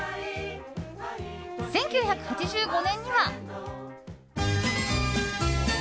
１９８５年には。